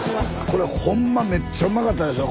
これホンマめっちゃうまかったですよ